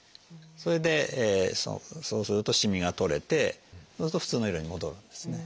それでそうするとしみが取れてそうすると普通の色に戻るんですね。